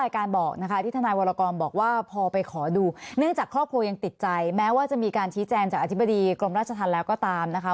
ครอบครัวยังติดใจแม้ว่าจะมีการชี้แจงจากอธิบดีกรมราชธรรมแล้วก็ตามนะคะ